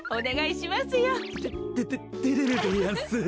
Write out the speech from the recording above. ててててれるでやんす。